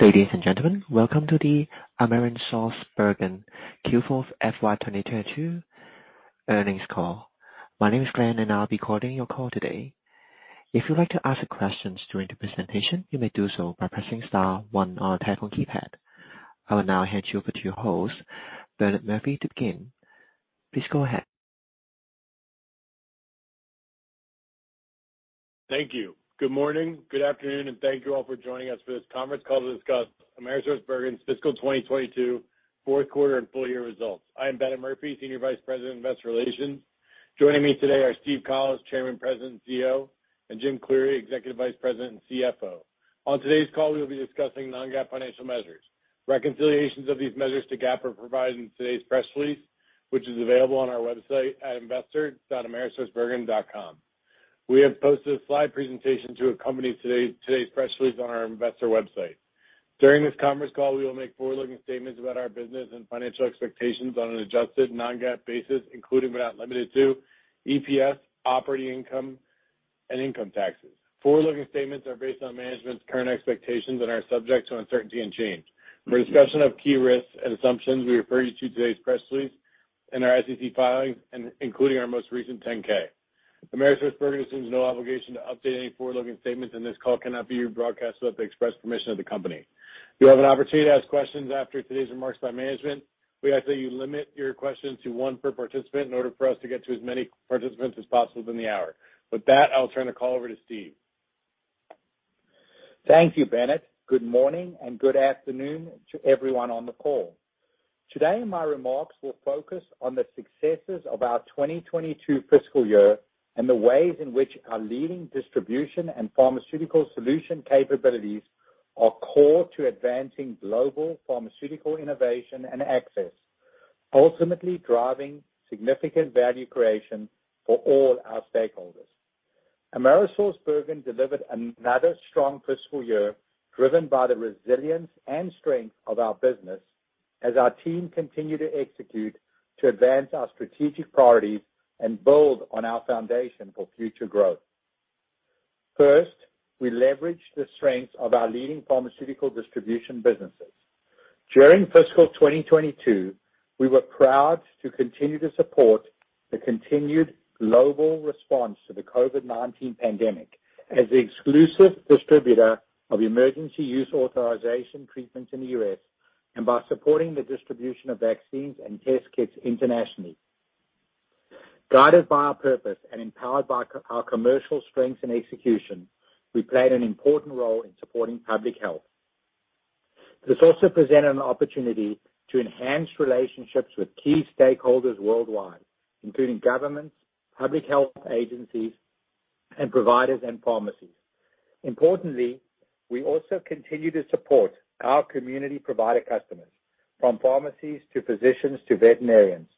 Ladies and gentlemen, welcome to the AmerisourceBergen Q4 FY 2022 earnings call. My name is Glenn, and I'll be coordinating your call today. If you'd like to ask questions during the presentation, you may do so by pressing star one on your telephone keypad. I will now hand you over to your host, Bennett Murphy, to begin. Please go ahead. Thank you. Good morning, good afternoon, and thank you all for joining us for this conference call to discuss AmerisourceBergen's fiscal 2022 Q4 and full year results. I am Bennett Murphy, Senior Vice President of Investor Relations. Joining me today are Steven Collis, Chairman, President, CEO, and James Cleary, Executive Vice President and CFO. On today's call, we will be discussing non-GAAP financial measures. Reconciliations of these measures to GAAP are provided in today's press release, which is available on our website at investor.amerisourcebergen.com. We have posted a slide presentation to accompany today's press release on our investor website. During this conference call, we will make forward-looking statements about our business and financial expectations on an adjusted non-GAAP basis, including, but not limited to EPS, operating income, and income taxes. Forward-looking statements are based on management's current expectations and are subject to uncertainty and change. For a discussion of key risks and assumptions, we refer you to today's press release and our SEC filings, including our most recent 10-K. AmerisourceBergen assumes no obligation to update any forward-looking statements, and this call cannot be rebroadcast without the express permission of the company. You'll have an opportunity to ask questions after today's remarks by management. We ask that you limit your questions to one per participant in order for us to get to as many participants as possible within the hour. With that, I'll turn the call over to Steve. Thank you, Bennett. Good morning and good afternoon to everyone on the call. Today, my remarks will focus on the successes of our 2022 fiscal year and the ways in which our leading distribution and pharmaceutical solution capabilities are core to advancing global pharmaceutical innovation and access, ultimately driving significant value creation for all our stakeholders. AmerisourceBergen delivered another strong fiscal year, driven by the resilience and strength of our business as our team continued to execute to advance our strategic priorities and build on our foundation for future growth. First, we leveraged the strengths of our leading pharmaceutical distribution businesses. During fiscal 2022, we were proud to continue to support the continued global response to the COVID-19 pandemic as the exclusive distributor of emergency use authorization treatments in the U.S. and by supporting the distribution of vaccines and test kits internationally. Guided by our purpose and empowered by our commercial strengths and execution, we played an important role in supporting public health. This also presented an opportunity to enhance relationships with key stakeholders worldwide, including governments, public health agencies, and providers and pharmacies. Importantly, we also continue to support our community provider customers, from pharmacies to physicians to veterinarians,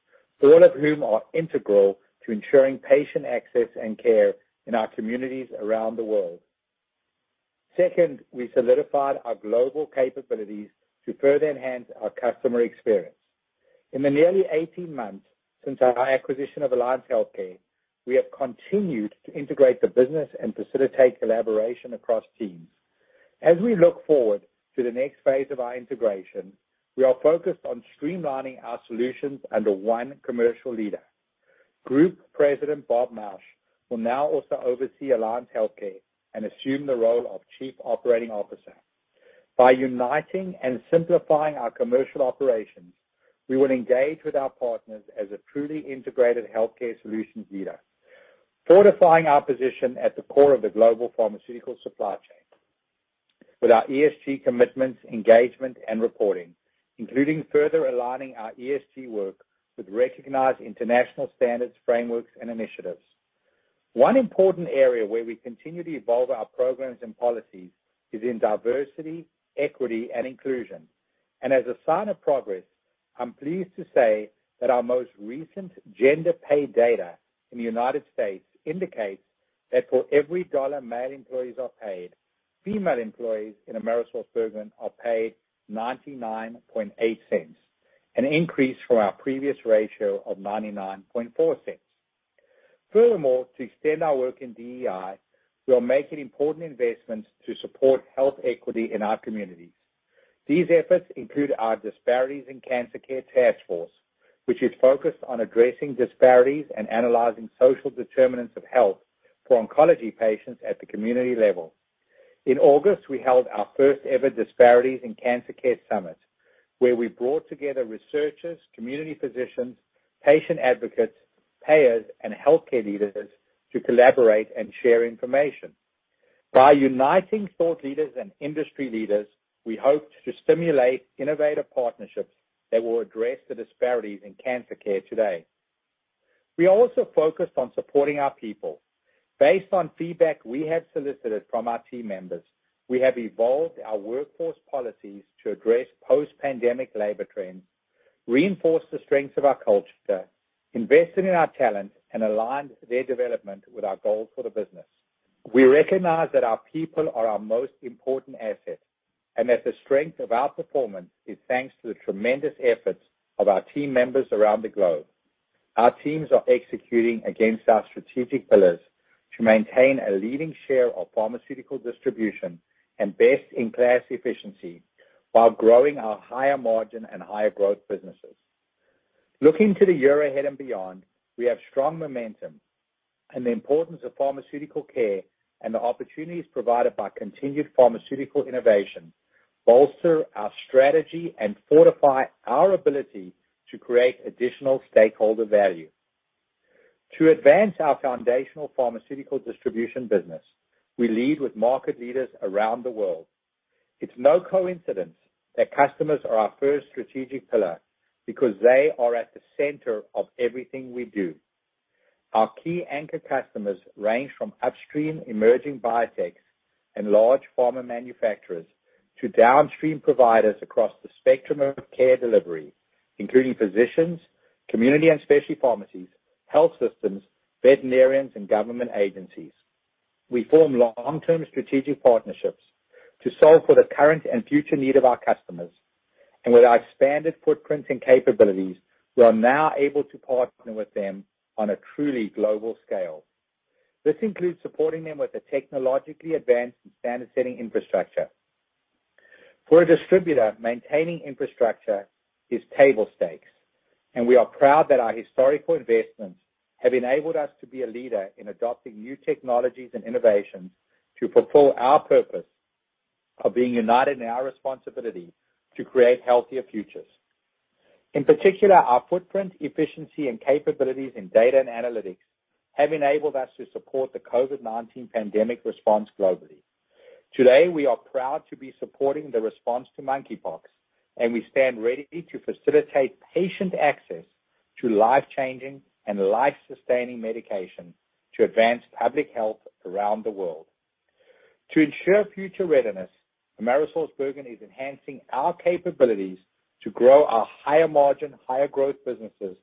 all of whom are integral to ensuring patient access and care in our communities around the world. Second, we solidified our global capabilities to further enhance our customer experience. In the nearly 18 months since our acquisition of Alliance Healthcare, we have continued to integrate the business and facilitate collaboration across teams. As we look forward to the next phase of our integration, we are focused on streamlining our solutions under one commercial leader. Group President Robert Mauch will now also oversee Alliance Healthcare and assume the role of Chief Operating Officer. By uniting and simplifying our commercial operations, we will engage with our partners as a truly integrated healthcare solutions leader, fortifying our position at the core of the global pharmaceutical supply chain. With our ESG commitments, engagement, and reporting, including further aligning our ESG work with recognized international standards, frameworks, and initiatives. One important area where we continue to evolve our programs and policies is in diversity, equity, and inclusion. As a sign of progress, I'm pleased to say that our most recent gender pay data in the United States indicates that for every dollar male employees are paid, female employees in AmerisourceBergen are paid 99.8 cents, an increase from our previous ratio of 99.4 cents. Furthermore, to extend our work in DEI, we are making important investments to support health equity in our communities. These efforts include our Disparities in Cancer Care task force, which is focused on addressing disparities and analyzing social determinants of health for oncology patients at the community level. In August, we held our first ever Disparities in Cancer Care summit, where we brought together researchers, community physicians, patient advocates, payers, and healthcare leaders to collaborate and share information. By uniting thought leaders and industry leaders, we hope to stimulate innovative partnerships that will address the disparities in cancer care today. We also focused on supporting our people. Based on feedback we have solicited from our team members, we have evolved our workforce policies to address post-pandemic labor trends, reinforced the strengths of our culture, invested in our talent, and aligned their development with our goals for the business. We recognize that our people are our most important asset and that the strength of our performance is thanks to the tremendous efforts of our team members around the globe. Our teams are executing against our strategic pillars to maintain a leading share of pharmaceutical distribution and best-in-class efficiency while growing our higher margin and higher growth businesses. Looking to the year ahead and beyond, we have strong momentum and the importance of pharmaceutical care and the opportunities provided by continued pharmaceutical innovation bolster our strategy and fortify our ability to create additional stakeholder value. To advance our foundational pharmaceutical distribution business, we lead with market leaders around the world. It's no coincidence that customers are our first strategic pillar because they are at the center of everything we do. Our key anchor customers range from upstream emerging biotechs and large pharma manufacturers to downstream providers across the spectrum of care delivery, including physicians, community and specialty pharmacies, health systems, veterinarians, and government agencies. We form long-term strategic partnerships to solve for the current and future need of our customers. With our expanded footprints and capabilities, we are now able to partner with them on a truly global scale. This includes supporting them with a technologically advanced and standard-setting infrastructure. For a distributor, maintaining infrastructure is table stakes, and we are proud that our historical investments have enabled us to be a leader in adopting new technologies and innovations to fulfill our purpose of being united in our responsibility to create healthier futures. In particular, our footprint, efficiency, and capabilities in data and analytics have enabled us to support the COVID-19 pandemic response globally. Today, we are proud to be supporting the response to monkeypox, and we stand ready to facilitate patient access to life-changing and life-sustaining medication to advance public health around the world. To ensure future readiness, AmerisourceBergen is enhancing our capabilities to grow our higher margin, higher growth businesses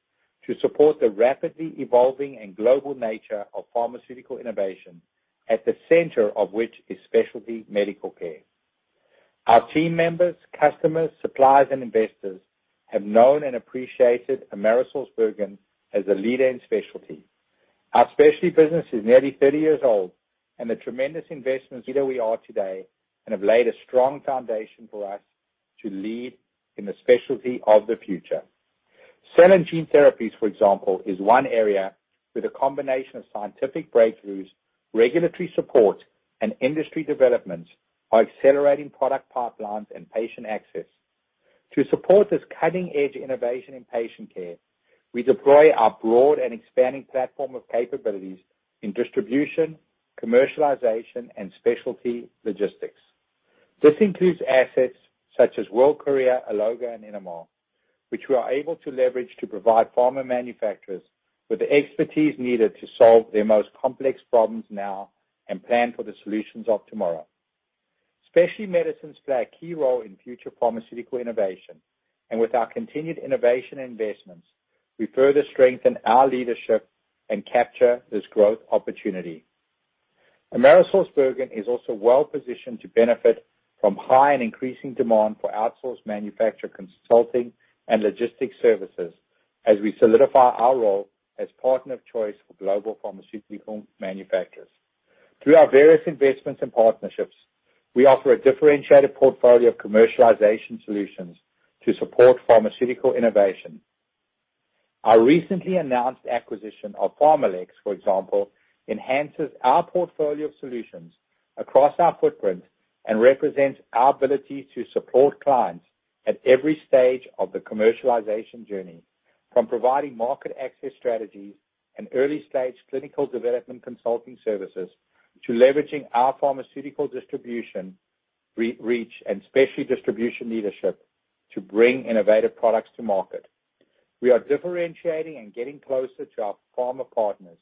to support the rapidly evolving and global nature of pharmaceutical innovation, at the center of which is specialty medical care. Our team members, customers, suppliers, and investors have known and appreciated AmerisourceBergen as a leader in specialty. Our specialty business is nearly 30 years old and the tremendous investments leader we are today and have laid a strong foundation for us to lead in the specialty of the future. Cell and gene therapies, for example, is one area with a combination of scientific breakthroughs, regulatory support, and industry developments are accelerating product pipelines and patient access. To support this cutting-edge innovation in patient care, we deploy our broad and expanding platform of capabilities in distribution, commercialization, and specialty logistics. This includes assets such as World Courier, Alloga, and Innomar, which we are able to leverage to provide pharma manufacturers with the expertise needed to solve their most complex problems now and plan for the solutions of tomorrow. Specialty medicines play a key role in future pharmaceutical innovation, and with our continued innovation investments, we further strengthen our leadership and capture this growth opportunity. AmerisourceBergen is also well positioned to benefit from high and increasing demand for outsourced manufacture consulting and logistics services as we solidify our role as partner of choice for global pharmaceutical manufacturers. Through our various investments and partnerships, we offer a differentiated portfolio of commercialization solutions to support pharmaceutical innovation. Our recently announced acquisition of PharmaLex, for example, enhances our portfolio of solutions across our footprint and represents our ability to support clients at every stage of the commercialization journey, from providing market access strategies and early-stage clinical development consulting services to leveraging our pharmaceutical distribution reach and specialty distribution leadership to bring innovative products to market. We are differentiating and getting closer to our pharma partners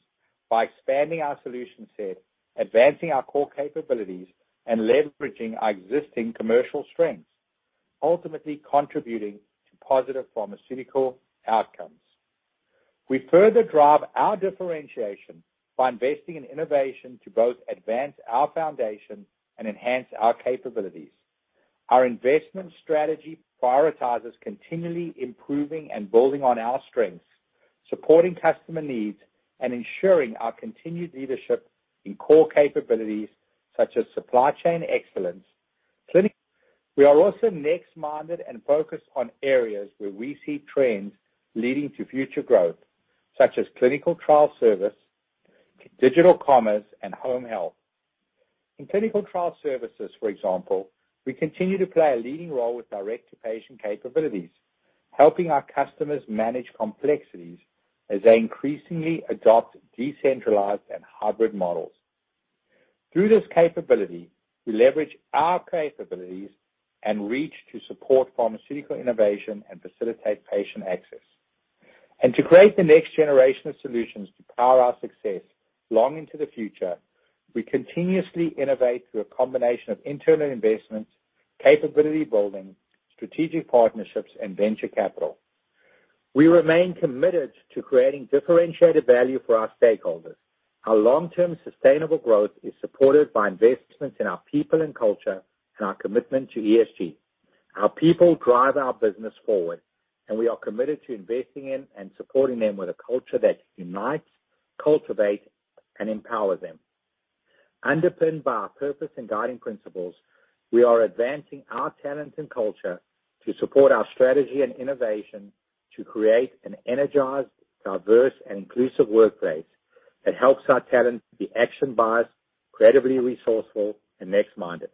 by expanding our solution set, advancing our core capabilities, and leveraging our existing commercial strengths, ultimately contributing to positive pharmaceutical outcomes. We further drive our differentiation by investing in innovation to both advance our foundation and enhance our capabilities. Our investment strategy prioritizes continually improving and building on our strengths, supporting customer needs, and ensuring our continued leadership in core capabilities such as supply chain excellence. Clinic. We are also next-minded and focused on areas where we see trends leading to future growth, such as clinical trial service, digital commerce, and home health. In clinical trial services, for example, we continue to play a leading role with direct-to-patient capabilities, helping our customers manage complexities as they increasingly adopt decentralized and hybrid models. Through this capability, we leverage our capabilities and reach to support pharmaceutical innovation and facilitate patient access. To create the next generation of solutions to power our success long into the future, we continuously innovate through a combination of internal investments, capability building, strategic partnerships, and venture capital. We remain committed to creating differentiated value for our stakeholders. Our long-term sustainable growth is supported by investments in our people and culture and our commitment to ESG. Our people drive our business forward, and we are committed to investing in and supporting them with a culture that unites, cultivates, and empowers them. Underpinned by our purpose and guiding principles, we are advancing our talent and culture to support our strategy and innovation to create an energized, diverse, and inclusive workplace that helps our talent be action-biased, creatively resourceful, and next-minded.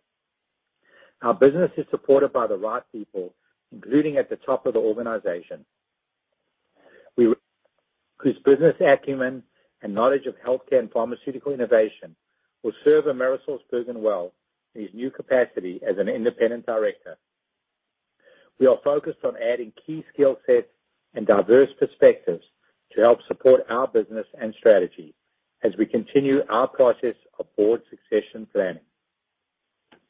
Our business is supported by the right people, including at the top of the organization. Whose business acumen and knowledge of healthcare and pharmaceutical innovation will serve AmerisourceBergen well in his new capacity as an independent director. We are focused on adding key skill sets and diverse perspectives to help support our business and strategy as we continue our process of board succession planning.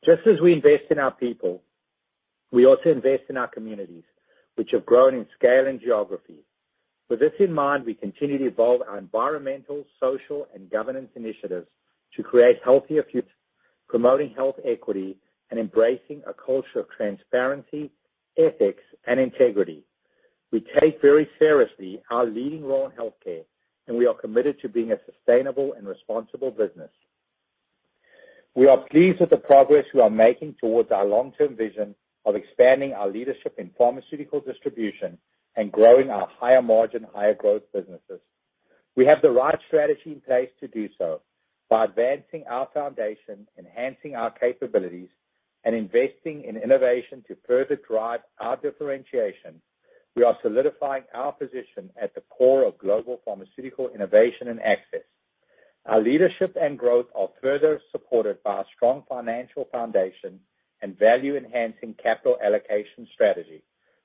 Just as we invest in our people, we also invest in our communities, which have grown in scale and geography. With this in mind, we continue to evolve our environmental, social, and governance initiatives to create healthier futures, promoting health equity, and embracing a culture of transparency, ethics, and integrity. We take very seriously our leading role in healthcare, and we are committed to being a sustainable and responsible business. We are pleased with the progress we are making towards our long-term vision of expanding our leadership in pharmaceutical distribution and growing our higher margin, higher growth businesses. We have the right strategy in place to do so. By advancing our foundation, enhancing our capabilities, and investing in innovation to further drive our differentiation, we are solidifying our position at the core of global pharmaceutical innovation and access. Our leadership and growth are further supported by a strong financial foundation and value-enhancing capital allocation strategy,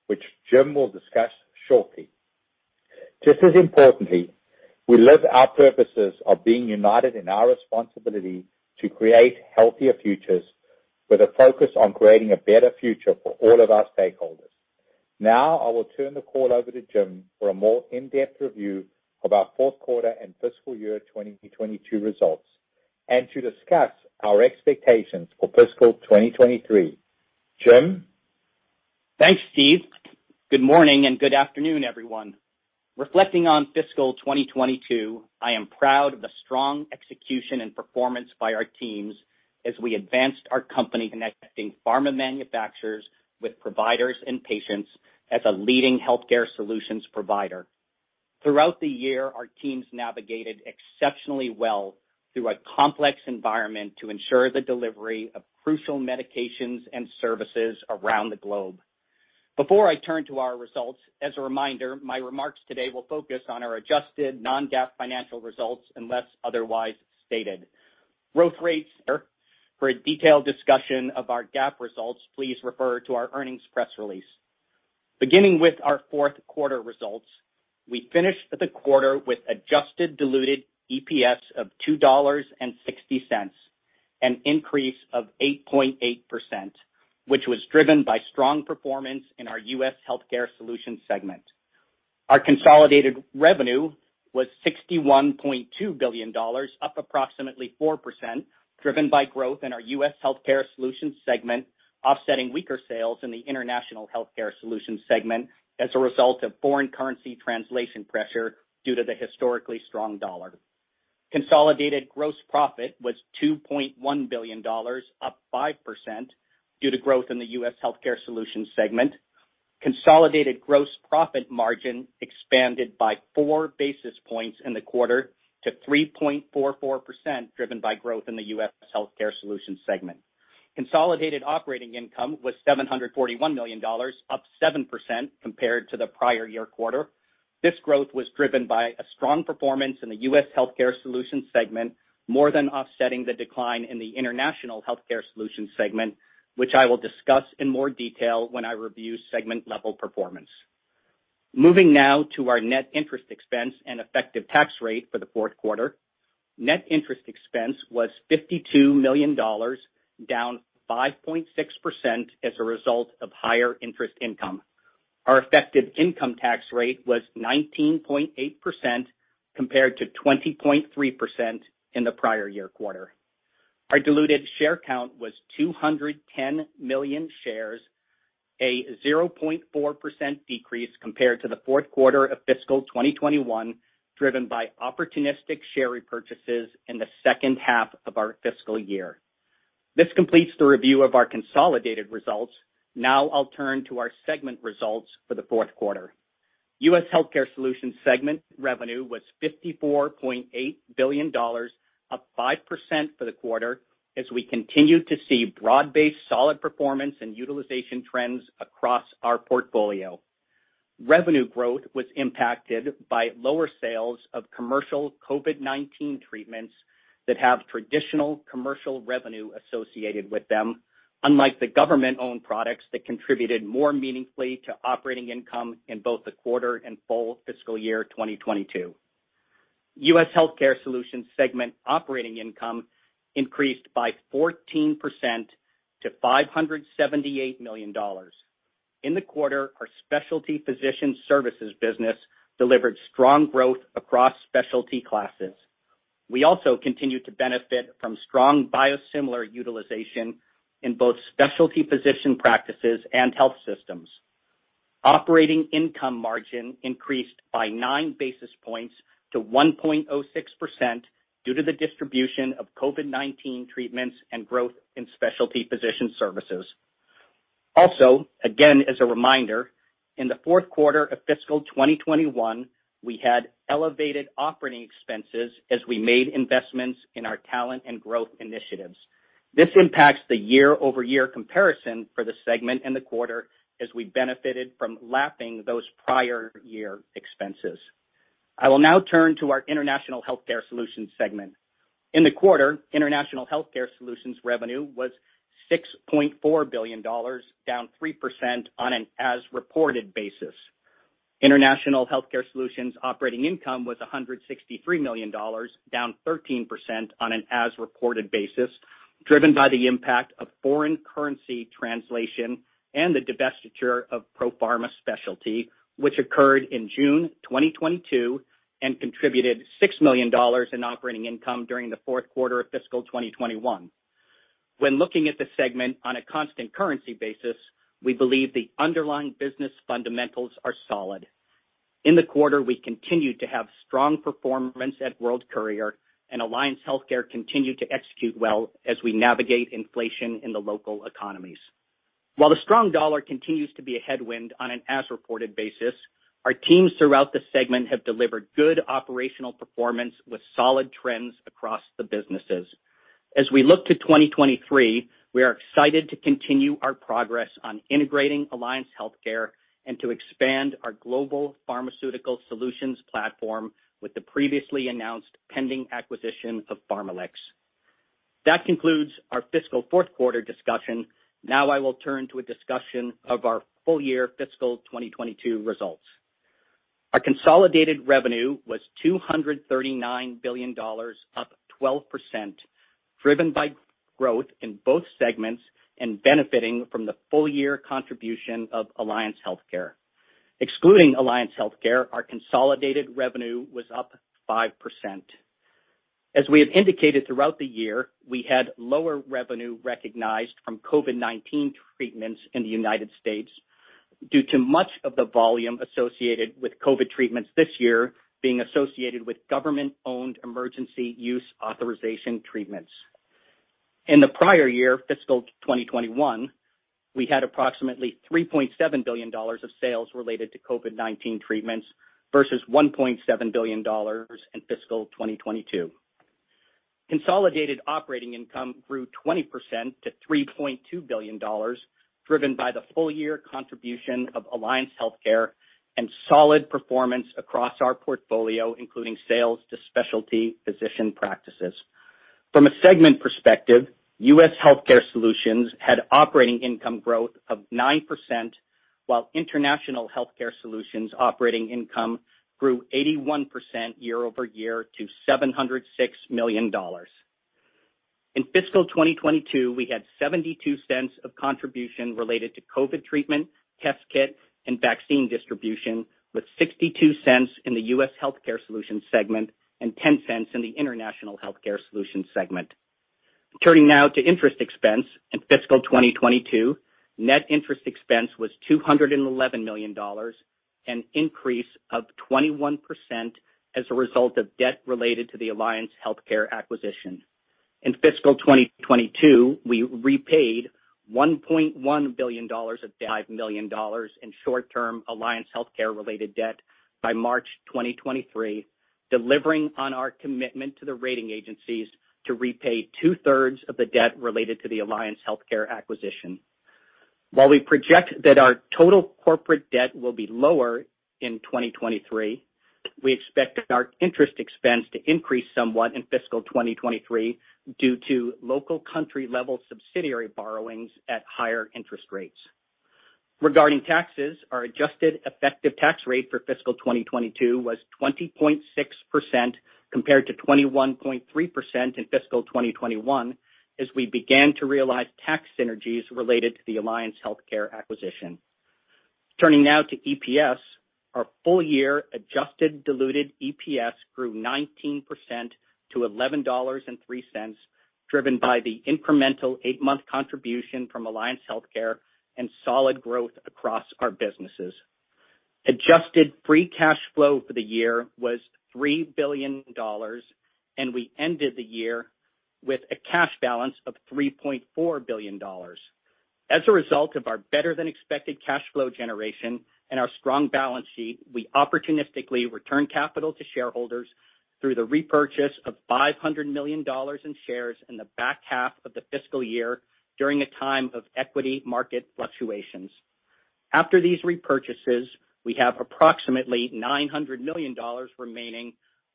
which James will discuss shortly. Just as importantly, we live our purposes of being united in our responsibility to create healthier futures with a focus on creating a better future for all of our stakeholders. Now, I will turn the call over to James for a more in-depth review of our fourth quarter and fiscal year 2022 results, and to discuss our expectations for fiscal 2023. James? Thanks, Steve. Good morning and good afternoon, everyone. Reflecting on fiscal 2022, I am proud of the strong execution and performance by our teams as we advanced our company connecting pharma manufacturers with providers and patients as a leading healthcare solutions provider. Throughout the year, our teams navigated exceptionally well through a complex environment to ensure the delivery of crucial medications and services around the globe. Before I turn to our results, as a reminder, my remarks today will focus on our adjusted non-GAAP financial results, unless otherwise stated. Growth rates, for a detailed discussion of our GAAP results, please refer to our earnings press release. Beginning with our fourth quarter results, we finished the quarter with adjusted diluted EPS of $2.60, an increase of 8.8%, which was driven by strong performance in our U.S. Healthcare Solutions segment. Our consolidated revenue was $61.2 billion, up approximately 4%, driven by growth in our U.S. Healthcare Solutions segment, offsetting weaker sales in the International Healthcare Solutions segment as a result of foreign currency translation pressure due to the historically strong dollar. Consolidated gross profit was $2.1 billion, up 5% due to growth in the U.S. Healthcare Solutions segment. Consolidated gross profit margin expanded by four basis points in the quarter to 3.44%, driven by growth in the U.S. Healthcare Solutions segment. Consolidated operating income was $741 million, up 7% compared to the prior year quarter. This growth was driven by a strong performance in the U.S. Healthcare Solutions segment, more than offsetting the decline in the International Healthcare Solutions segment, which I will discuss in more detail when I review segment-level performance. Moving now to our net interest expense and effective tax rate for the fourth quarter. Net interest expense was $52 million, down 5.6% as a result of higher interest income. Our effective income tax rate was 19.8% compared to 20.3% in the prior year quarter. Our diluted share count was 210 million shares, a 0.4% decrease compared to the fourth quarter of fiscal 2021, driven by opportunistic share repurchases in the second half of our fiscal year. This completes the review of our consolidated results. Now I'll turn to our segment results for the fourth quarter. U.S. Healthcare Solutions segment revenue was $54.8 billion, up 5% for the quarter as we continued to see broad-based solid performance and utilization trends across our portfolio. Revenue growth was impacted by lower sales of commercial COVID-19 treatments that have traditional commercial revenue associated with them, unlike the government-owned products that contributed more meaningfully to operating income in both the quarter and full fiscal year 2022. U.S. Healthcare Solutions segment operating income increased by 14% to $578 million. In the quarter, our specialty physician services business delivered strong growth across specialty classes. We also continued to benefit from strong biosimilar utilization in both specialty physician practices and health systems. Operating income margin increased by 9 basis points to 1.06% due to the distribution of COVID-19 treatments and growth in specialty physician services. Also, again, as a reminder, in the fourth quarter of fiscal 2021, we had elevated operating expenses as we made investments in our talent and growth initiatives. This impacts the year-over-year comparison for the segment in the quarter as we benefited from lapping those prior year expenses. I will now turn to our International Healthcare Solutions segment. In the quarter, International Healthcare Solutions revenue was $6.4 billion, down 3% on an as-reported basis. International Healthcare Solutions operating income was $163 million, down 13% on an as-reported basis, driven by the impact of foreign currency translation and the divestiture of Profarma, which occurred in June 2022 and contributed $6 million in operating income during the fourth quarter of fiscal 2021. When looking at the segment on a constant currency basis, we believe the underlying business fundamentals are solid. In the quarter, we continued to have strong performance at World Courier and Alliance Healthcare continued to execute well as we navigate inflation in the local economies. While the strong dollar continues to be a headwind on an as-reported basis, our teams throughout the segment have delivered good operational performance with solid trends across the businesses. As we look to 2023, we are excited to continue our progress on integrating Alliance Healthcare and to expand our global pharmaceutical solutions platform with the previously announced pending acquisition of PharmaLex. That concludes our fiscal fourth quarter discussion. Now I will turn to a discussion of our full-year fiscal 2022 results. Our consolidated revenue was $239 billion, up 12%, driven by growth in both segments and benefiting from the full year contribution of Alliance Healthcare. Excluding Alliance Healthcare, our consolidated revenue was up 5%. As we have indicated throughout the year, we had lower revenue recognized from COVID-19 treatments in the United States due to much of the volume associated with COVID treatments this year being associated with government-owned emergency use authorization treatments. In the prior year, fiscal 2021, we had approximately $3.7 billion of sales related to COVID-19 treatments versus $1.7 billion in fiscal 2022. Consolidated operating income grew 20% to $3.2 billion, driven by the full year contribution of Alliance Healthcare and solid performance across our portfolio, including sales to specialty physician practices. From a segment perspective, U.S. Healthcare Solutions had operating income growth of 9%, while International Healthcare Solutions operating income grew 81% year over year to $706 million. In fiscal 2022, we had $0.72 of contribution related to COVID treatment, test kit, and vaccine distribution, with $0.62 in the U.S. Healthcare Solutions segment and $0.10 in the International Healthcare Solutions segment. Turning now to interest expense. In fiscal 2022, net interest expense was $211 million, an increase of 21% as a result of debt related to the Alliance Healthcare acquisition. In fiscal 2022, we repaid $1.1 billion of $5 billion in short-term Alliance Healthcare-related debt by March 2023, delivering on our commitment to the rating agencies to repay two-thirds of the debt related to the Alliance Healthcare acquisition. While we project that our total corporate debt will be lower in 2023, we expect our interest expense to increase somewhat in fiscal 2023 due to local country-level subsidiary borrowings at higher interest rates. Regarding taxes, our adjusted effective tax rate for fiscal 2022 was 20.6% compared to 21.3% in fiscal 2021 as we began to realize tax synergies related to the Alliance Healthcare acquisition. Turning now to EPS. Our full year adjusted diluted EPS grew 19% to $11.03, driven by the incremental eight-month contribution from Alliance Healthcare and solid growth across our businesses. Adjusted free cash flow for the year was $3 billion, and we ended the year with a cash balance of $3.4 billion. As a result of our better-than-expected cash flow generation and our strong balance sheet, we opportunistically returned capital to shareholders through the repurchase of $500 million in shares in the back half of the fiscal year during a time of equity market fluctuations. After these repurchases, we have approximately $900 million remaining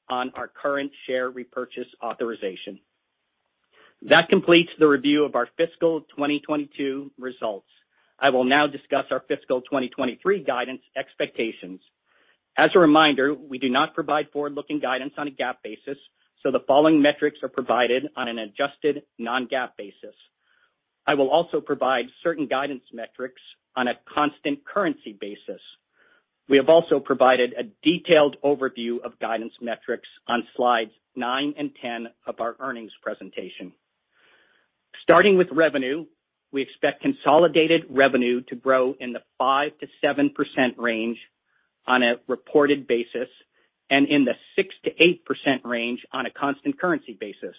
on our current share repurchase authorization. That completes the review of our fiscal 2022 results. I will now discuss our fiscal 2023 guidance expectations. As a reminder, we do not provide forward-looking guidance on a GAAP basis, so the following metrics are provided on an adjusted non-GAAP basis. I will also provide certain guidance metrics on a constant currency basis. We have also provided a detailed overview of guidance metrics on slides 9 and 10 of our earnings presentation. Starting with revenue, we expect consolidated revenue to grow in the 5%-7% range on a reported basis and in the 6%-8% range on a constant currency basis.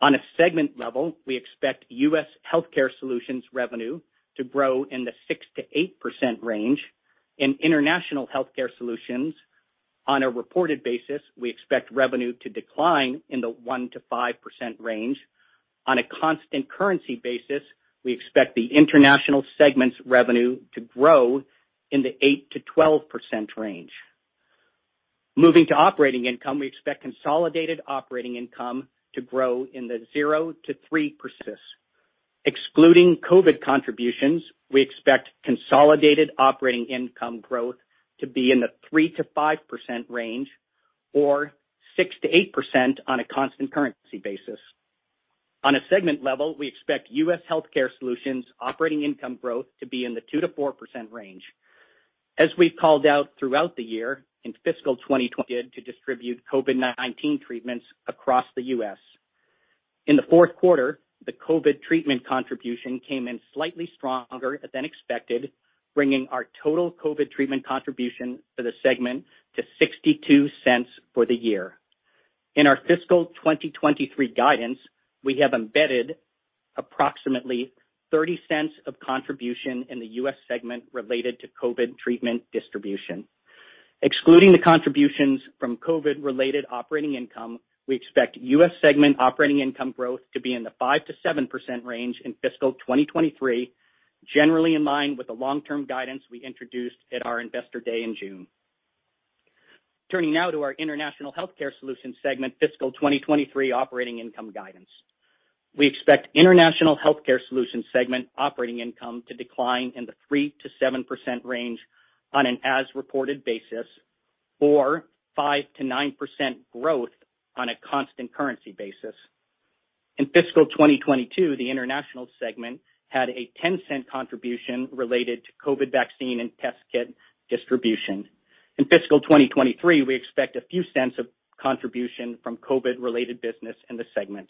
On a segment level, we expect U.S. Healthcare Solutions revenue to grow in the 6%-8% range. In International Healthcare Solutions on a reported basis, we expect revenue to decline in the 1%-5% range. On a constant currency basis, we expect the international segment's revenue to grow in the 8%-12% range. Moving to operating income, we expect consolidated operating income to grow in the 0%-3%. Excluding COVID contributions, we expect consolidated operating income growth to be in the 3%-5% range or 6%-8% on a constant currency basis. On a segment level, we expect U.S. Healthcare Solutions operating income growth to be in the 2%-4% range. As we've called out throughout the year, in fiscal 2020 to distribute COVID-19 treatments across the U.S. In the fourth quarter, the COVID treatment contribution came in slightly stronger than expected, bringing our total COVID treatment contribution for the segment to $0.62 for the year. In our fiscal 2023 guidance, we have embedded approximately $0.30 of contribution in the U.S. segment related to COVID treatment distribution. Excluding the contributions from COVID-related operating income, we expect U.S. segment operating income growth to be in the 5%-7% range in fiscal 2023, generally in line with the long-term guidance we introduced at our Investor Day in June. Turning now to our International Healthcare Solutions segment fiscal 2023 operating income guidance. We expect International Healthcare Solutions segment operating income to decline in the 3%-7% range on an as-reported basis, or 5%-9% growth on a constant currency basis. In fiscal 2022, the international segment had a $0.10 contribution related to COVID vaccine and test kit distribution. In fiscal 2023, we expect a few cents of contribution from COVID-related business in the segment.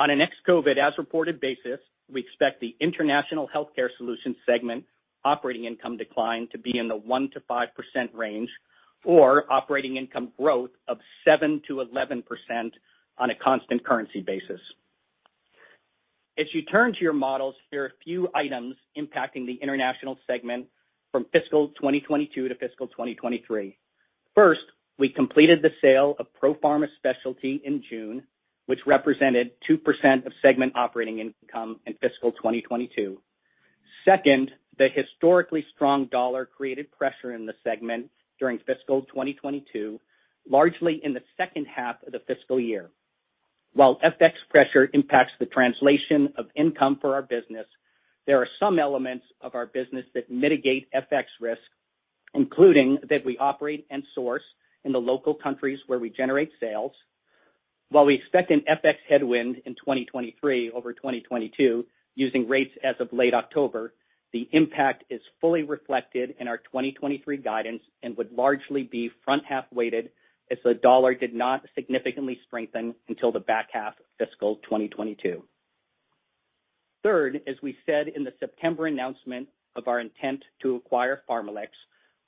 On an ex-COVID as-reported basis, we expect the International Healthcare Solutions segment operating income decline to be in the 1%-5% range, or operating income growth of 7%-11% on a constant currency basis. As you turn to your models, there are a few items impacting the international segment from fiscal 2022 to fiscal 2023. First, we completed the sale of Profarma in June, which represented 2% of segment operating income in fiscal 2022. Second, the historically strong dollar created pressure in the segment during fiscal 2022, largely in the second half of the fiscal year. While FX pressure impacts the translation of income for our business, there are some elements of our business that mitigate FX risk, including that we operate and source in the local countries where we generate sales. While we expect an FX headwind in 2023 over 2022 using rates as of late October, the impact is fully reflected in our 2023 guidance and would largely be front half-weighted as the dollar did not significantly strengthen until the back half of fiscal 2022. Third, as we said in the September announcement of our intent to acquire PharmaLex,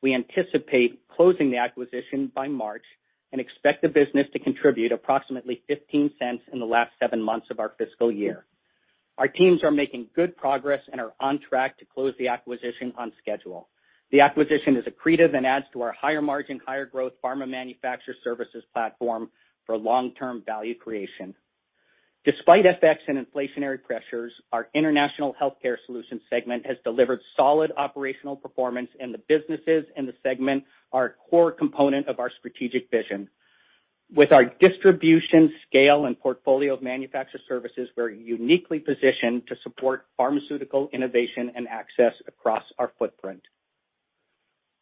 we anticipate closing the acquisition by March and expect the business to contribute approximately $0.15 in the last seven months of our fiscal year. Our teams are making good progress and are on track to close the acquisition on schedule. The acquisition is accretive and adds to our higher margin, higher growth pharma manufacturer services platform for long-term value creation. Despite FX and inflationary pressures, our International Healthcare Solutions segment has delivered solid operational performance, and the businesses in the segment are a core component of our strategic vision. With our distribution scale and portfolio of manufacturer services, we're uniquely positioned to support pharmaceutical innovation and access across our footprint.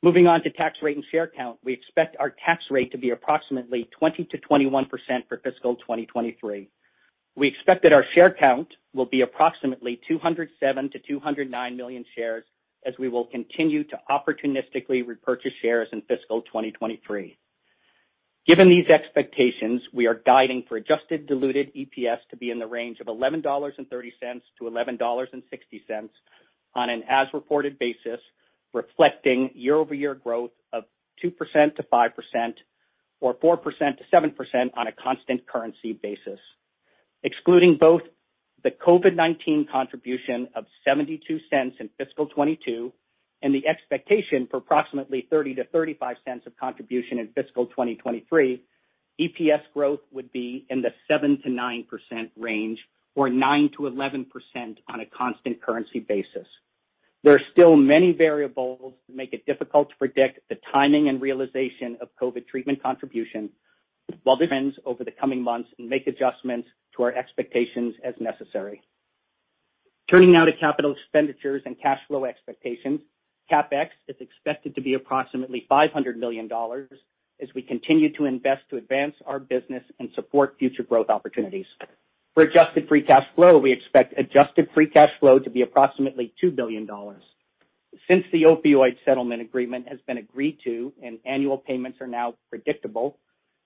Moving on to tax rate and share count. We expect our tax rate to be approximately 20%-21% for fiscal 2023. We expect that our share count will be approximately 207 million-209 million shares as we will continue to opportunistically repurchase shares in fiscal 2023. Given these expectations, we are guiding for adjusted diluted EPS to be in the range of $11.30-$11.60 on an as-reported basis, reflecting year-over-year growth of 2%-5% or 4%-7% on a constant currency basis. Excluding both the COVID-19 contribution of $0.72 in fiscal 2022 and the expectation for approximately $0.30-$0.35 of contribution in fiscal 2023, EPS growth would be in the 7%-9% range or 9%-11% on a constant currency basis. There are still many variables that make it difficult to predict the timing and realization of COVID treatment contributions over the coming months and make adjustments to our expectations as necessary. Turning now to capital expenditures and cash flow expectations. CapEx is expected to be approximately $500 million as we continue to invest to advance our business and support future growth opportunities. For adjusted free cash flow, we expect adjusted free cash flow to be approximately $2 billion. Since the opioid settlement agreement has been agreed to and annual payments are now predictable,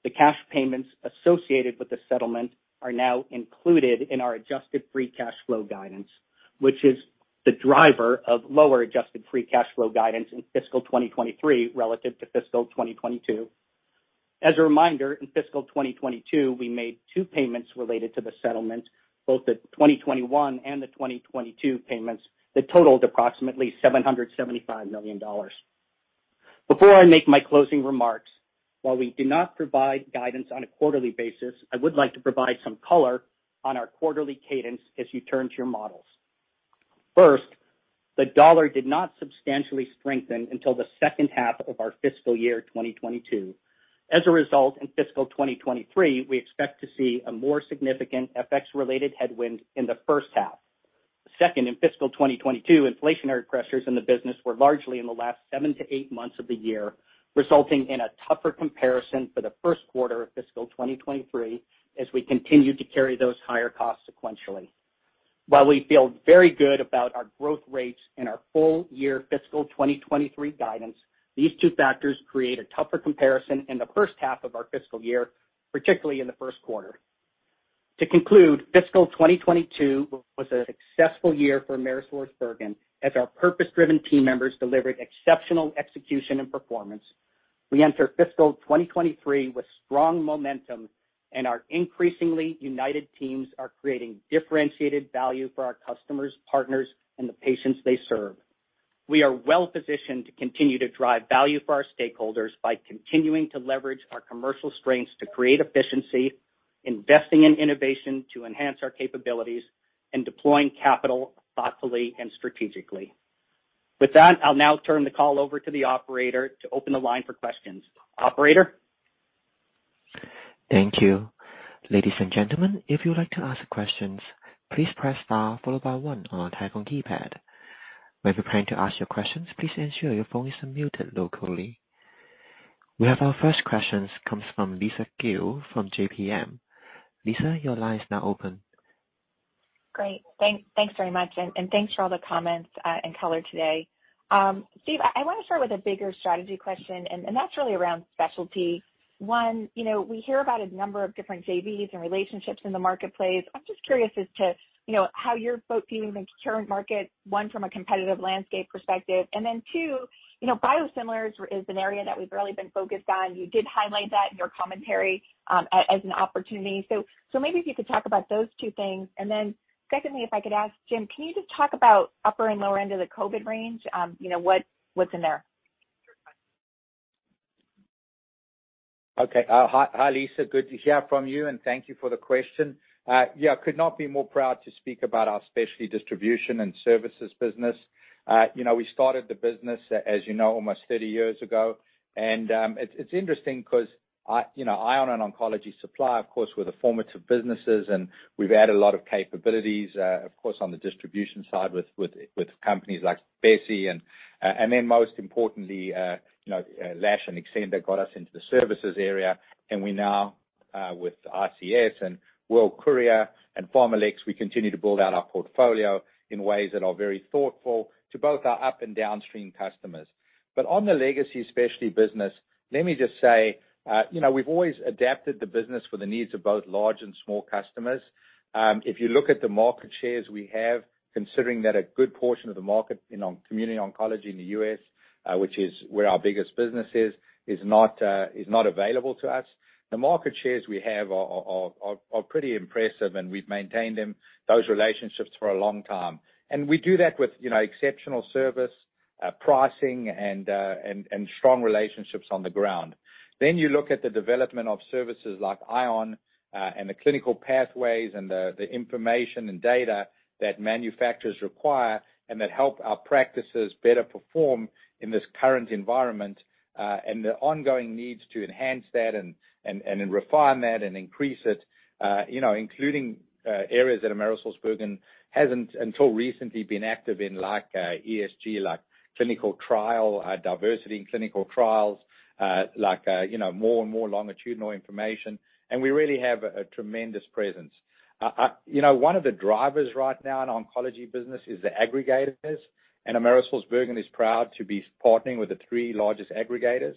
the cash payments associated with the settlement are now included in our adjusted free cash flow guidance, which is the driver of lower adjusted free cash flow guidance in fiscal 2023 relative to fiscal 2022. As a reminder, in fiscal 2022, we made two payments related to the settlement, both the 2021 and the 2022 payments that totaled approximately $775 million. Before I make my closing remarks, while we do not provide guidance on a quarterly basis, I would like to provide some color on our quarterly cadence as you turn to your models. First, the dollar did not substantially strengthen until the second half of our fiscal year 2022. As a result, in fiscal 2023, we expect to see a more significant FX-related headwind in the first half. Second, in fiscal 2022, inflationary pressures in the business were largely in the last 7-8 months of the year, resulting in a tougher comparison for the first quarter of fiscal 2023 as we continue to carry those higher costs sequentially. While we feel very good about our growth rates and our full year fiscal 2023 guidance, these two factors create a tougher comparison in the first half of our fiscal year, particularly in the first quarter. To conclude, fiscal 2022 was a successful year for AmerisourceBergen as our purpose-driven team members delivered exceptional execution and performance. We enter fiscal 2023 with strong momentum and our increasingly united teams are creating differentiated value for our customers, partners, and the patients they serve. We are well positioned to continue to drive value for our stakeholders by continuing to leverage our commercial strengths to create efficiency, investing in innovation to enhance our capabilities, and deploying capital thoughtfully and strategically. With that, I'll now turn the call over to the operator to open the line for questions. Operator? Thank you. Ladies and gentlemen, if you would like to ask questions, please press star followed by one on our telephone keypad. When preparing to ask your questions, please ensure your phone is unmuted locally. We have our first question comes from Lisa Gill from JPMorgan. Lisa, your line is now open. Great. Thanks very much, and thanks for all the comments and color today. Steve, I wanna start with a bigger strategy question, and that's really around specialty. One, you know, we hear about a number of different JVs and relationships in the marketplace. I'm just curious as to, you know, how you're both viewing the current market, one, from a competitive landscape perspective. And then two, you know, biosimilars is an area that we've really been focused on. You did highlight that in your commentary, as an opportunity. So maybe if you could talk about those two things. And then secondly, if I could ask James, can you just talk about upper and lower end of the COVID range? You know, what's in there? Okay. Hi, Lisa. Good to hear from you, and thank you for the question. Yeah, could not be more proud to speak about our specialty distribution and services business. You know, we started the business as you know, almost 30 years ago. It's interesting because ION and Oncology Supply, of course, were the formative businesses, and we've added a lot of capabilities, of course, on the distribution side with companies like Besse. Then most importantly, you know, Lash Group and Xcenda got us into the services area. We now, with ICS and World Courier and PharmaLex, we continue to build out our portfolio in ways that are very thoughtful to both our up and downstream customers. On the legacy specialty business, let me just say, you know, we've always adapted the business for the needs of both large and small customers. If you look at the market shares we have, considering that a good portion of the market is not in community oncology in the U.S., which is where our biggest business is not available to us. The market shares we have are pretty impressive, and we've maintained them, those relationships for a long time. We do that with, you know, exceptional service, pricing and strong relationships on the ground. You look at the development of services like ION, and the clinical pathways and the information and data that manufacturers require and that help our practices better perform in this current environment, and the ongoing needs to enhance that and refine that and increase it, you know, including areas that AmerisourceBergen hasn't until recently been active in like ESG, like clinical trial diversity in clinical trials, like you know, more and more longitudinal information. We really have a tremendous presence. You know, one of the drivers right now in oncology business is the aggregators, and AmerisourceBergen is proud to be partnering with the three largest aggregators.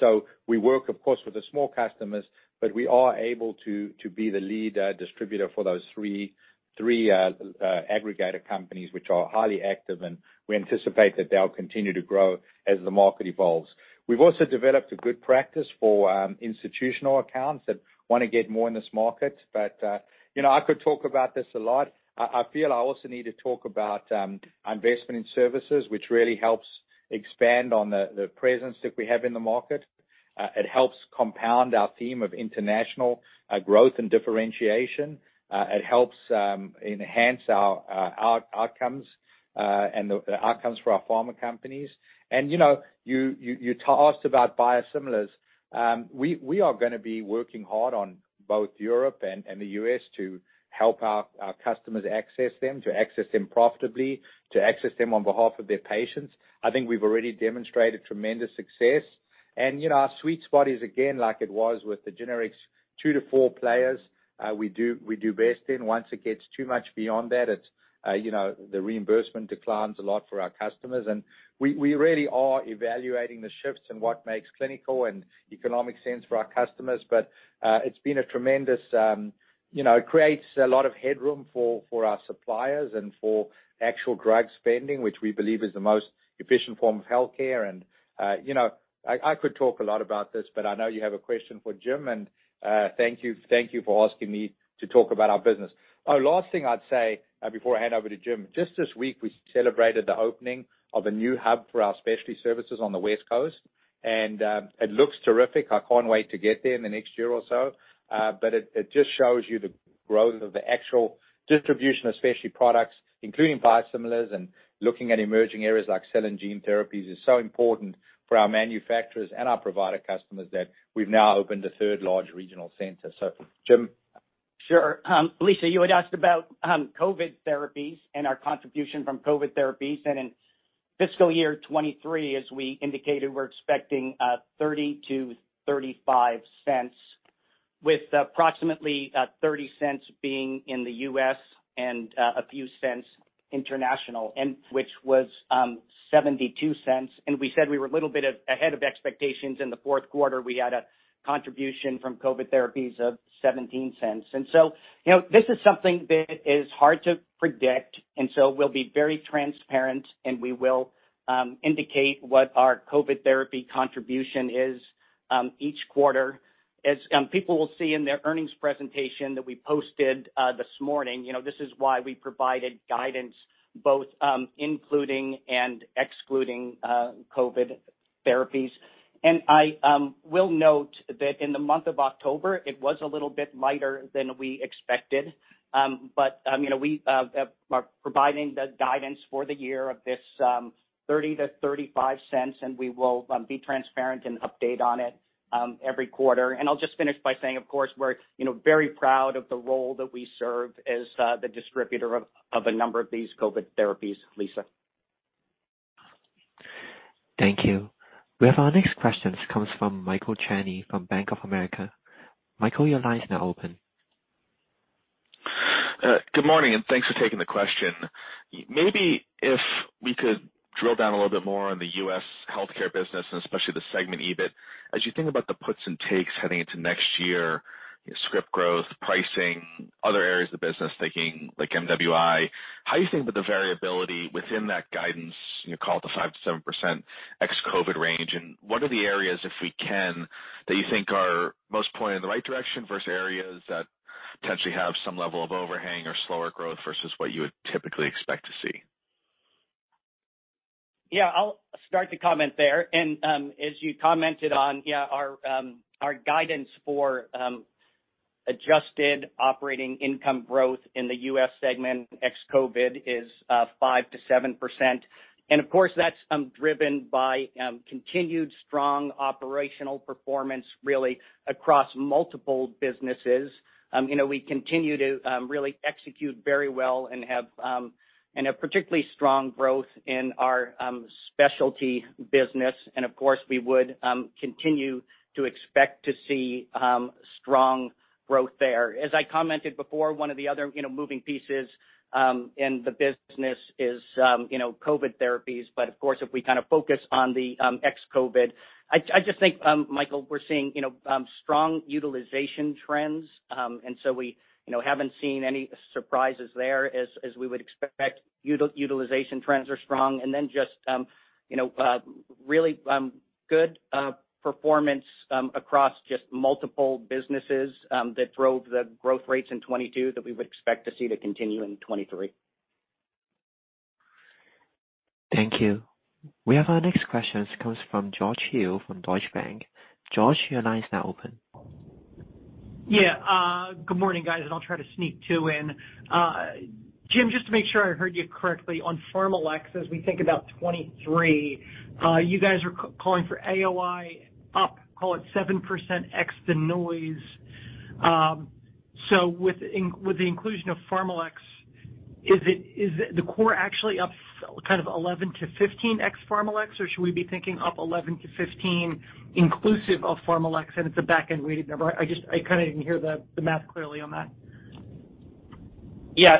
So we work, of course, with the small customers, but we are able to be the lead distributor for those three aggregator companies, which are highly active, and we anticipate that they'll continue to grow as the market evolves. We've also developed a good practice for institutional accounts that wanna get more in this market, but you know, I could talk about this a lot. I feel I also need to talk about investment in services, which really helps expand on the presence that we have in the market. It helps compound our theme of international growth and differentiation. It helps enhance our outcomes and the outcomes for our pharma companies. You know, you asked about biosimilars. We are gonna be working hard on both Europe and the U.S. to help our customers access them profitably, to access them on behalf of their patients. I think we've already demonstrated tremendous success. You know, our sweet spot is again like it was with the generics two to four players, we do best in. Once it gets too much beyond that, it's you know, the reimbursement declines a lot for our customers. We really are evaluating the shifts and what makes clinical and economic sense for our customers. It's been a tremendous. You know, it creates a lot of headroom for our suppliers and for actual drug spending, which we believe is the most efficient form of healthcare. You know, I could talk a lot about this, but I know you have a question for James. Thank you for asking me to talk about our business. Oh, last thing I'd say before I hand over to James, just this week, we celebrated the opening of a new hub for our specialty services on the West Coast. It looks terrific. I can't wait to get there in the next year or so. It just shows you the growth of the actual distribution of specialty products, including biosimilars and looking at emerging areas like cell and gene therapies, is so important for our manufacturers and our provider customers that we've now opened a third large regional center. James. Sure. Lisa, you had asked about COVID therapies and our contribution from COVID therapies. In fiscal year 2023, as we indicated, we're expecting $0.30-$0.35, with approximately $0.30 being in the U.S. and a few cents international. Which was $0.72, and we said we were a little bit ahead of expectations. In the fourth quarter, we had a contribution from COVID therapies of $0.17. You know, this is something that is hard to predict, so we'll be very transparent, and we will indicate what our COVID therapy contribution is each quarter. As people will see in their earnings presentation that we posted this morning, you know, this is why we provided guidance both including and excluding COVID therapies. I will note that in the month of October, it was a little bit lighter than we expected. I mean, we are providing the guidance for the year of this $0.30-$0.35, and we will be transparent and update on it every quarter. I'll just finish by saying, of course, we're, you know, very proud of the role that we serve as the distributor of a number of these COVID therapies, Lisa. Thank you. We have our next questions comes from Michael Cherny from Bank of America. Michael, your line is now open. Good morning, and thanks for taking the question. Maybe if we could drill down a little bit more on the U.S. healthcare business and especially the segment EBIT. As you think about the puts and takes heading into next year, script growth, pricing, other areas of the business thinking, like MWI, how are you thinking about the variability within that guidance, you know, call it the 5%-7% ex-COVID range? What are the areas, if we can, that you think are most pointed in the right direction versus areas that potentially have some level of overhang or slower growth versus what you would typically expect to see? Yeah, I'll start the comment there. As you commented on, yeah, our guidance for adjusted operating income growth in the U.S. segment ex-COVID is 5%-7%. Of course, that's driven by continued strong operational performance really across multiple businesses. You know, we continue to really execute very well and have a particularly strong growth in our specialty business. Of course, we would continue to expect to see strong growth there. As I commented before, one of the other, you know, moving pieces in the business is, you know, COVID therapies. Of course, if we kind of focus on the ex-COVID, I just think, Michael, we're seeing, you know, strong utilization trends. We, you know, haven't seen any surprises there as we would expect. Utilization trends are strong. Just you know really good performance across just multiple businesses that drove the growth rates in 2022 that we would expect to see to continue in 2023. Thank you. We have our next questions comes from George Hill from Deutsche Bank. George, your line is now open. Yeah. Good morning, guys, and I'll try to sneak two in. James, just to make sure I heard you correctly, on PharmaLex, as we think about 2023, you guys are calling for AOI up, call it 7% ex the noise. With the inclusion of PharmaLex, is it the core actually up kind of 11%-15% ex PharmaLex, or should we be thinking up 11%-15% inclusive of PharmaLex and it's a back-end weighted number? I kind of didn't hear the math clearly on that. Yeah.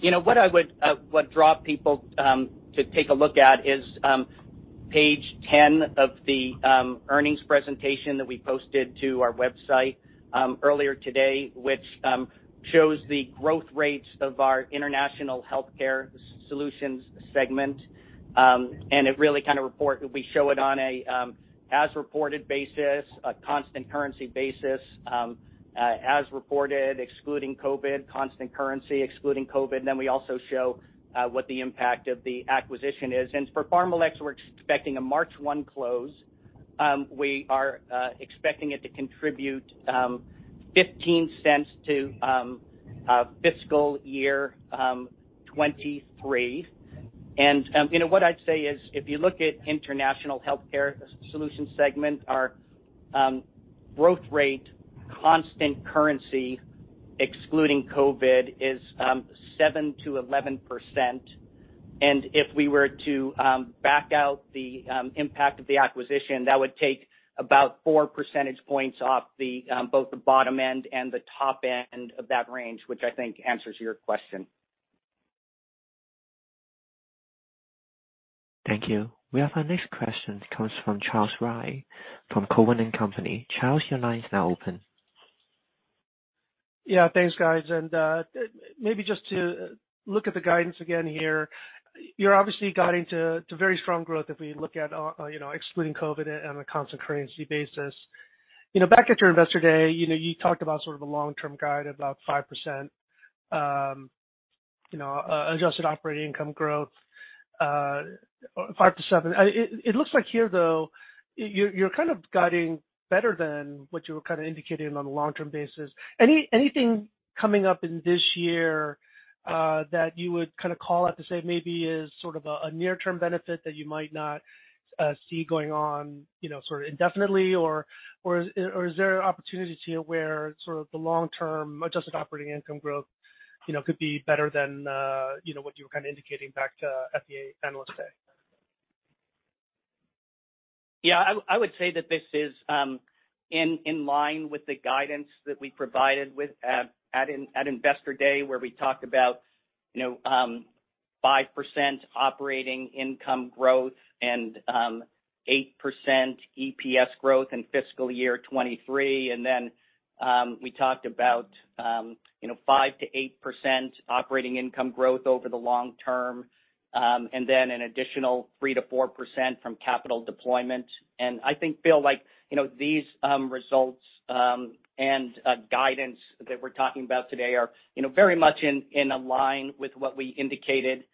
You know, what I would draw people to take a look at is page 10 of the earnings presentation that we posted to our website earlier today, which shows the growth rates of our International Healthcare Solutions segment. We show it on a as reported basis, a constant currency basis, as reported, excluding COVID, constant currency, excluding COVID. Then we also show what the impact of the acquisition is. For PharmaLex, we're expecting a March 1 close. We are expecting it to contribute $0.15 to fiscal year 2023. You know, what I'd say is if you look at International Healthcare Solutions segment, our growth rate constant currency excluding COVID is 7%-11%. If we were to back out the impact of the acquisition, that would take about four percentage points off both the bottom end and the top end of that range, which I think answers your question. Thank you. Our next question comes from Charles Rhyee from Cowen and Company. Charles, your line is now open. Yeah, thanks guys. Maybe just to look at the guidance again here, you're obviously guiding to very strong growth if we look at, you know, excluding COVID on a constant currency basis. You know, back at your Investor Day, you know, you talked about sort of a long-term guide, about 5%, you know, adjusted operating income growth, 5%-7%. It looks like here, though, you're kind of guiding better than what you were kind of indicating on a long-term basis. Anything coming up in this year that you would kind of call out to say maybe is sort of a near-term benefit that you might not see going on, you know, sort of indefinitely or is there an opportunity here where sort of the long-term adjusted operating income growth, you know, could be better than what you were kind of indicating back to at the Investor Day? Yeah, I would say that this is in line with the guidance that we provided with at Investor Day, where we talked about, you know, 5% operating income growth and 8% EPS growth in fiscal year 2023. Then, we talked about, you know, 5%-8% operating income growth over the long term, and then an additional 3%-4% from capital deployment. I think, Charles, like, you know, these results and guidance that we're talking about today are, you know, very much in line with what we indicated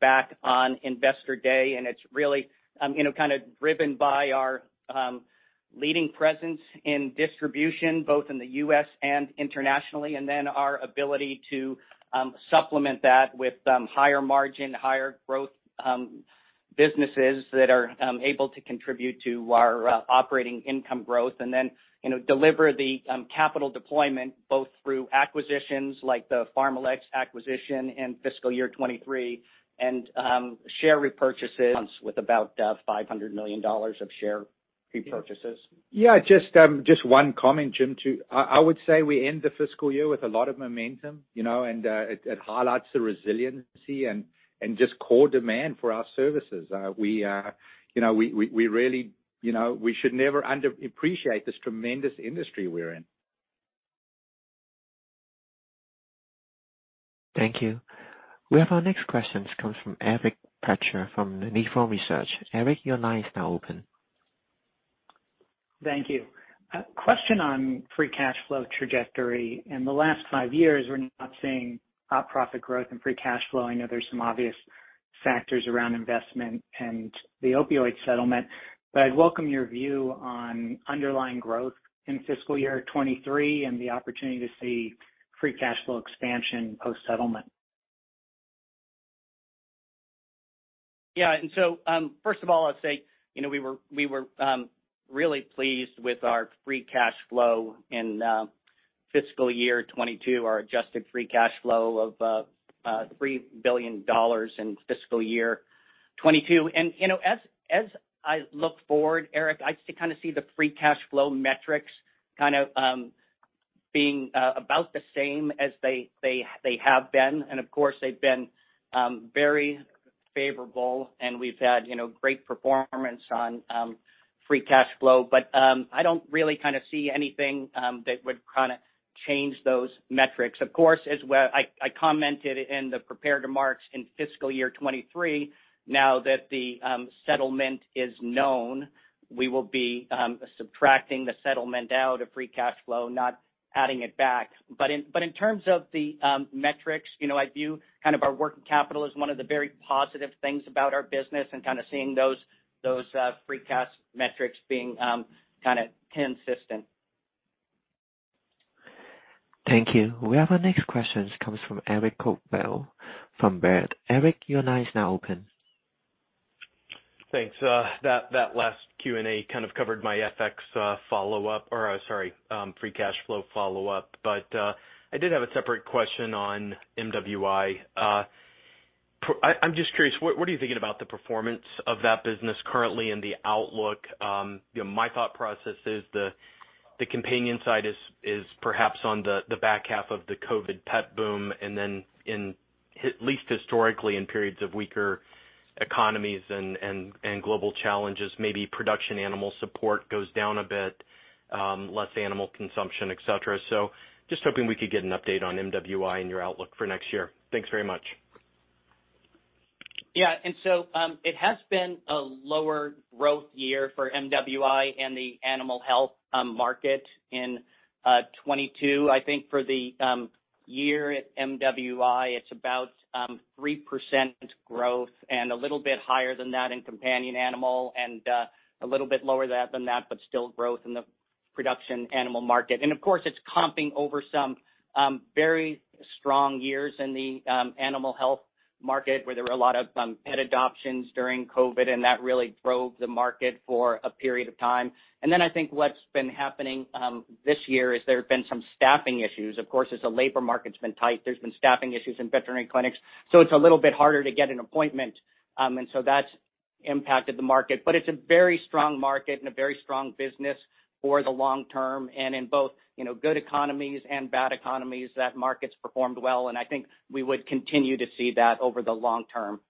back on Investor Day. It's really, you know, kind of driven by our leading presence in distribution, both in the U.S. and internationally, and then our ability to supplement that with some higher margin, higher growth businesses that are able to contribute to our operating income growth and then, you know, deliver the capital deployment both through acquisitions like the PharmaLex acquisition in fiscal year 2023 and share repurchases with about $500 million of share repurchases. Yeah, just one comment, James. I would say we end the fiscal year with a lot of momentum, you know, and it highlights the resiliency and just core demand for our services. You know, we really should never underappreciate this tremendous industry we're in. Thank you. We have our next question comes from Eric Percher from Nephron Research. Eric, your line is now open. Thank you. A question on free cash flow trajectory. In the last five years, we're not seeing top profit growth and free cash flow. I know there's some obvious factors around investment and the opioid settlement, but I'd welcome your view on underlying growth in fiscal year 2023 and the opportunity to see free cash flow expansion post-settlement. Yeah. First of all, I'd say, you know, we were really pleased with our free cash flow in fiscal year 2022, our adjusted free cash flow of $3 billion in fiscal year 2022. You know, as I look forward, Eric, I kind of see the free cash flow metrics kind of being about the same as they have been. Of course, they've been very favorable, and we've had, you know, great performance on free cash flow. I don't really kind of see anything that would kinda change those metrics. Of course, as well, I commented in the prepared remarks in fiscal year 2023, now that the settlement is known, we will be subtracting the settlement out of free cash flow, not adding it back. In terms of the metrics, you know, I view kind of our working capital as one of the very positive things about our business and kind of seeing those free cash metrics being kinda consistent. Thank you. We have our next question comes from Eric Coldwell from Baird. Eric, your line is now open. Thanks. That last Q&A kind of covered my FX follow-up or sorry, free cash flow follow-up. I did have a separate question on MWI. I'm just curious, what are you thinking about the performance of that business currently and the outlook? You know, my thought process is the companion side is perhaps on the back half of the COVID pet boom, and then, at least historically, in periods of weaker economies and global challenges, maybe production animal support goes down a bit, less animal consumption, et cetera. Just hoping we could get an update on MWI and your outlook for next year. Thanks very much. Yeah. It has been a lower growth year for MWI and the animal health market in 2022. I think for the year at MWI, it's about 3% growth and a little bit higher than that in companion animal and a little bit lower than that, but still growth in the production animal market. Of course, it's comping over some very strong years in the animal health market, where there were a lot of pet adoptions during COVID, and that really drove the market for a period of time. Then I think what's been happening this year is there have been some staffing issues. Of course, as the labor market's been tight, there's been staffing issues in veterinary clinics, so it's a little bit harder to get an appointment. That's impacted the market. It's a very strong market and a very strong business for the long term. In both, you know, good economies and bad economies, that market's performed well, and I think we would continue to see that over the long term.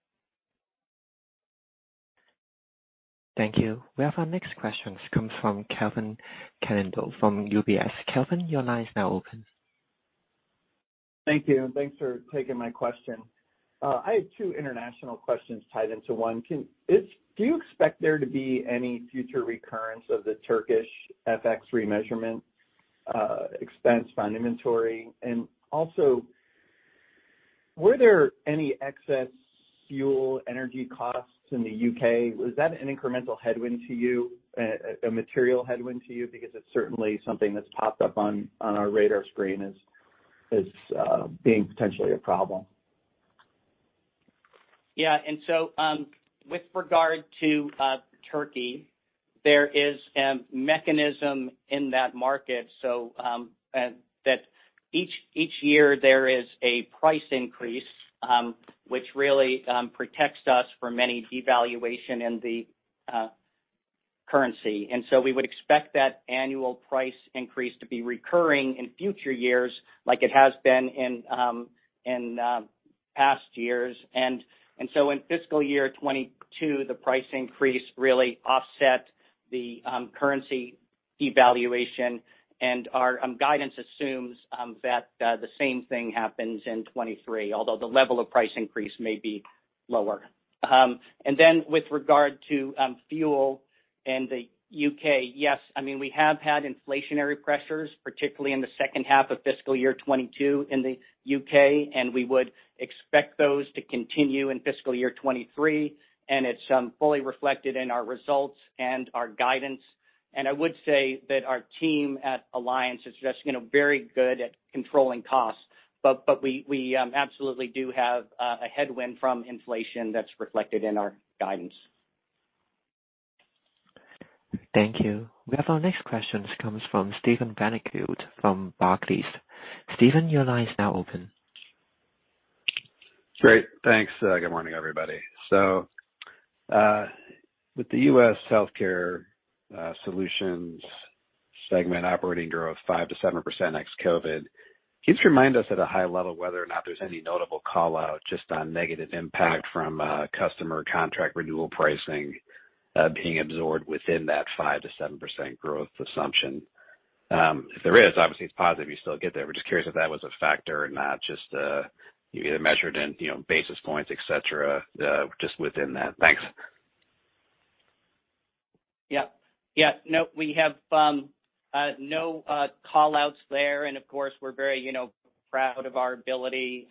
Thank you. We have our next question comes from Kevin Caliendo from UBS. Kevin, your line is now open. Thank you, and thanks for taking my question. I have two international questions tied into one. Do you expect there to be any future recurrence of the Turkish FX remeasurement expense from inventory? Also, were there any excess fuel energy costs in the U.K.? Was that an incremental headwind to you? A material headwind to you? Because it's certainly something that's popped up on our radar screen as being potentially a problem. Yeah. With regard to Turkey, there is a mechanism in that market so that each year there is a price increase which really protects us from any devaluation in the currency. We would expect that annual price increase to be recurring in future years like it has been in past years. In fiscal year 2022, the price increase really offset the currency devaluation. Our guidance assumes that the same thing happens in 2023, although the level of price increase may be lower. With regard to fuel and the UK, yes, I mean, we have had inflationary pressures, particularly in the second half of fiscal year 2022 in the U.K., and we would expect those to continue in fiscal year 2023. It's fully reflected in our results and our guidance. I would say that our team at Alliance is just, you know, very good at controlling costs. But we absolutely do have a headwind from inflation that's reflected in our guidance. Thank you. We have our next question comes from Steven Valiquette from Barclays. Steven, your line is now open. Great. Thanks. Good morning, everybody. With the U.S. Healthcare Solutions segment operating growth 5%-7% ex-COVID, can you remind us at a high level whether or not there's any notable call-out just on negative impact from customer contract renewal pricing being absorbed within that 5%-7% growth assumption? If there is, obviously it's positive. You still get there. We're just curious if that was a factor or not, just you know either measured in basis points, et cetera, just within that. Thanks. Yeah. Yeah. No, we have no call-outs there. Of course, we're very, you know, proud of our ability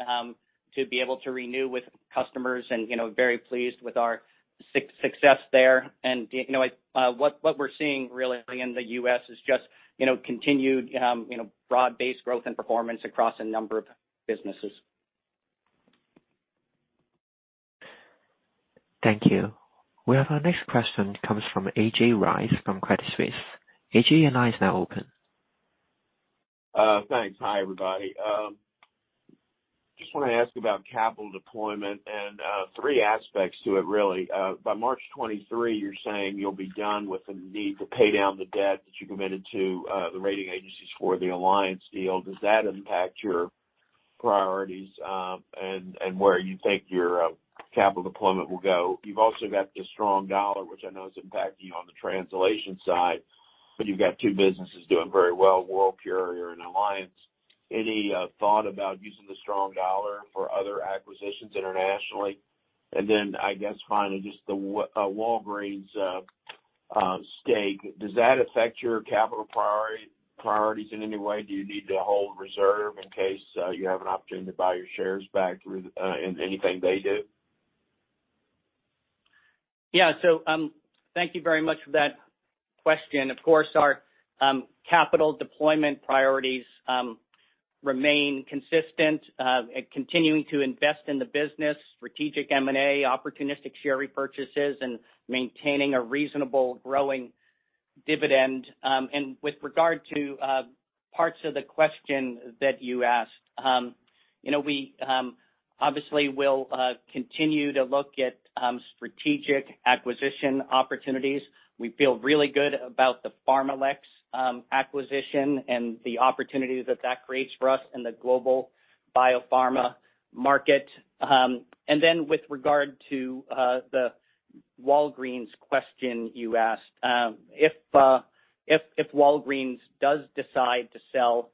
to be able to renew with customers and, you know, very pleased with our success there. You know, what we're seeing really in the U.S. is just, you know, continued, you know, broad-based growth and performance across a number of businesses. Thank you. We have our next question comes from A.J. Rice from Credit Suisse. A.J., your line is now open. Thanks. Hi, everybody. Just wanna ask about capital deployment and three aspects to it really. By March 2023, you're saying you'll be done with the need to pay down the debt that you committed to the rating agencies for the Alliance deal. Does that impact your priorities and where you think your capital deployment will go? You've also got the strong US dollar, which I know is impacting you on the translation side, but you've got two businesses doing very well, World Courier and Alliance. Any thought about using the strong US dollar for other acquisitions internationally? I guess finally just the Walgreens stake. Does that affect your capital priorities in any way? Do you need to hold reserve in case you have an opportunity to buy your shares back through in anything they do? Yeah. Thank you very much for that question. Of course, our capital deployment priorities remain consistent, continuing to invest in the business, strategic M&A, opportunistic share repurchases, and maintaining a reasonable growing dividend. With regard to parts of the question that you asked, you know, we obviously will continue to look at strategic acquisition opportunities. We feel really good about the PharmaLex acquisition and the opportunity that that creates for us in the global biopharma market. With regard to the Walgreens question you asked, if Walgreens does decide to sell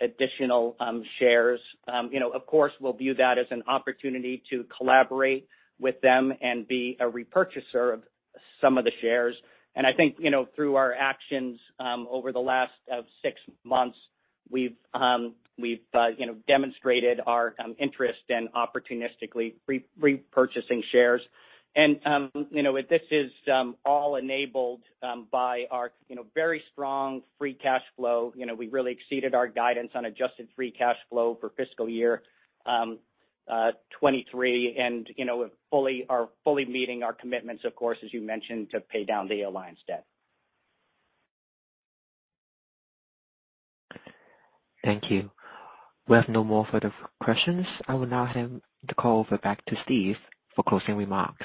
additional shares, you know, of course we'll view that as an opportunity to collaborate with them and be a repurchaser of some of the shares. I think, you know, through our actions over the last six months, we've, you know, demonstrated our interest in opportunistically repurchasing shares. You know, this is all enabled by our, you know, very strong free cash flow. You know, we really exceeded our guidance on adjusted free cash flow for fiscal year 2023. You know, we are fully meeting our commitments, of course, as you mentioned, to pay down the Alliance debt. Thank you. We have no more further questions. I will now hand the call over back to Steven for closing remarks.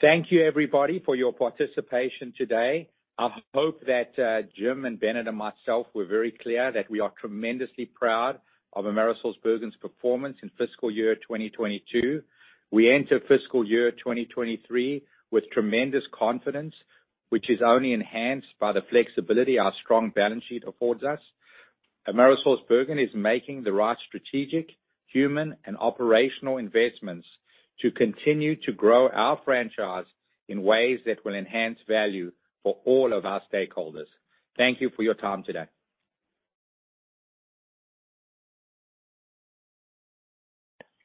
Thank you everybody for your participation today. I hope that James and Bennett and myself were very clear that we are tremendously proud of AmerisourceBergen's performance in fiscal year 2022. We enter fiscal year 2023 with tremendous confidence, which is only enhanced by the flexibility our strong balance sheet affords us. AmerisourceBergen is making the right strategic, human, and operational investments to continue to grow our franchise in ways that will enhance value for all of our stakeholders. Thank you for your time today.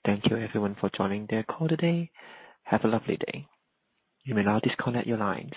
Thank you everyone for joining the call today. Have a lovely day. You may now disconnect your lines.